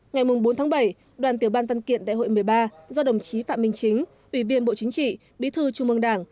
ngày bốn bảy đoàn tiểu ban văn kiện đại hội một mươi ba do đồng chí phạm minh chính ủy viên bộ chính trị bí thư trung mương đảng